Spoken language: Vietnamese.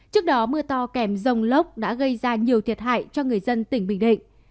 trước đó mưa to kèm rông lốc đã gây ra nhiều thiệt hại cho người dân tỉnh bình định